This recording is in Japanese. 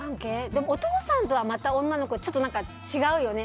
でも、お父さんとはまた女の子ってちょっと違うよね。